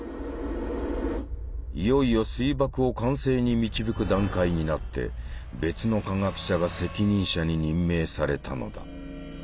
いよいよ水爆を完成に導く段階になって別の科学者が責任者に任命されたのだ。